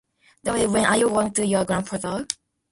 Laurie, when are you going to your grandfather?